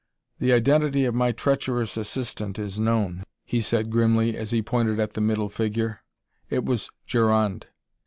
"The identity of my treacherous assistant is known," he said grimly as he pointed at the middle figure. "It was Gerond.